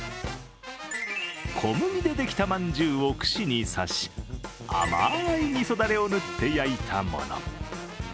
小麦でできたまんじゅうを串に刺し甘いみそだれを塗って焼いたもの。